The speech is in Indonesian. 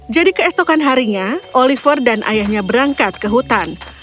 jadi keesokan harinya oliver dan ayahnya berangkat ke hutan